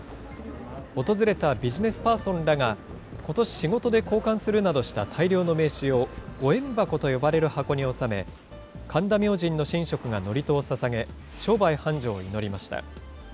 訪れたビジネスパーソンらが、ことし、仕事で交換するなどした大量の名刺を、護縁箱と呼ばれる箱に納め、神田明神の神職が祝詞をささげ、商売繁盛を祈りました。